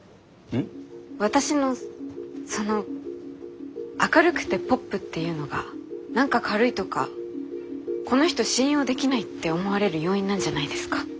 私のその明るくてポップっていうのが何か軽いとかこの人信用できないって思われる要因なんじゃないですか？